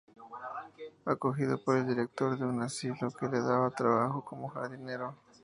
Es acogido por el director de un asilo que le da trabajo como jardinero.